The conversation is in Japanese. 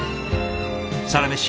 「サラメシ」